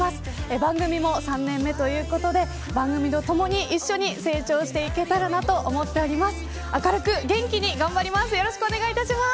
番組も３年目ということで番組と一緒に成長していけたらなと思っています。